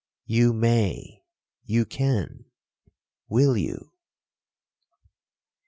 You may—you can—will you?'